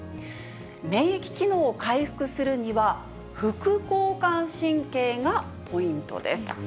免疫機能を回復するには、副交感神経がポイントです。